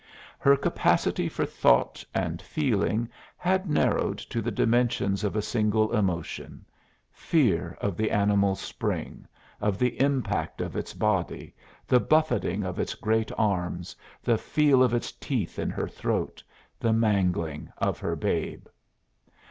Her capacity for thought and feeling had narrowed to the dimensions of a single emotion fear of the animal's spring, of the impact of its body, the buffeting of its great arms, the feel of its teeth in her throat, the mangling of her babe.